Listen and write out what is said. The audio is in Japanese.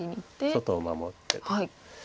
外を守ってと。